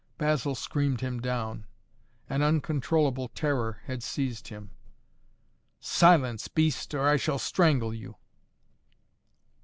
Basil screamed him down. An uncontrollable terror had seized him. "Silence, beast, or I shall strangle you!"